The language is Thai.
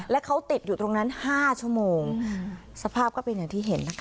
แล้วเขาติดอยู่ตรงนั้น๕ชั่วโมงสภาพก็เป็นอย่างที่เห็นนะคะ